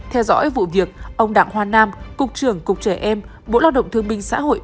theo dõi vụ việc ông đặng hoa nam cục trưởng cục trẻ em bộ lao động thương minh xã hội